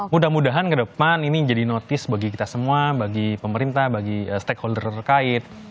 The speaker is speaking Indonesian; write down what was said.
mudah mudahan ke depan ini menjadi notice bagi kita semua bagi pemerintah bagi stakeholder terkait